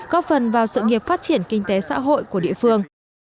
góp phần vào sự nghiệp phát triển kinh tế xã hội của địa phương